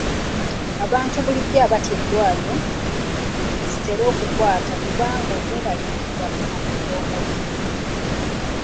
Abantu bulijjo abatya endwadde, be zitera okukwata kuba okweraliikirira kunafuya omubiri.